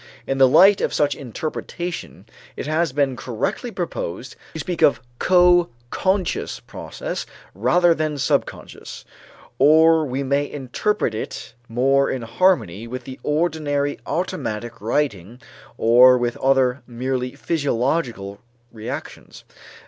In the light of such interpretation, it has been correctly proposed to speak of coconscious processes, rather than subconscious. Or we may interpret it more in harmony with the ordinary automatic writing or with other merely physiological reactions.